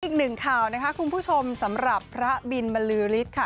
อีกหนึ่งข่าวนะคะคุณผู้ชมสำหรับพระบินบรรลือฤทธิ์ค่ะ